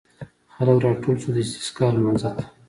خلک راټول شول د استسقا لمانځه ته.